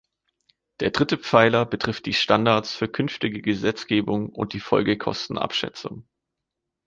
Der dritte Pfeiler betrifft die Standards für künftige Gesetzgebung und die Folgekostenabschätzung.